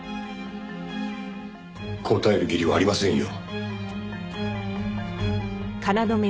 答える義理はありませんよ。